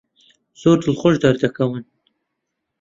زۆر دڵخۆش دەردەکەون.